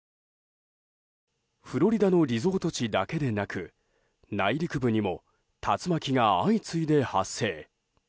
フロリダのリゾート地だけでなく内陸部にも竜巻が相次いで発生。